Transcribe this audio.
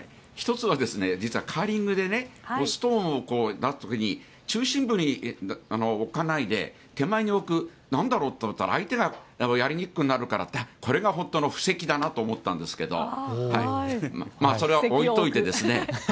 １つは、実はカーリングでストーンを出す時に中心部に置かないで手前に置くなんだろう？と思ったら相手がやりにくくなるからってこれが本当の布石だなと思ったんですけどそれは置いといてですね